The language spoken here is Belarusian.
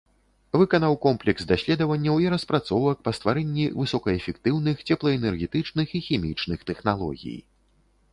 Выканаў комплекс даследаванняў і распрацовак па стварэнні высокаэфектыўных цеплаэнергетычных і хімічных тэхналогій.